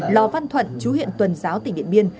lò văn thuận chú huyện tuần giáo tỉnh điện biên